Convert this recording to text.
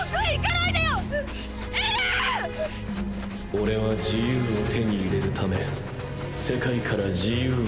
オレは自由を手に入れるため世界から自由を奪う。